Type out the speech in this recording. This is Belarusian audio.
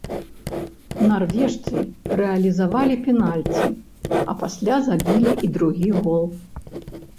Нарвежцы рэалізавалі пенальці, а пасля забілі і другі гол.